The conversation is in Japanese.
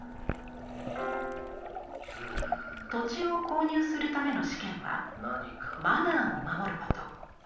土地を購入するための試験は「マナー」を守ること。